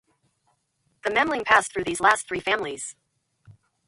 The Memling passed through these last three families.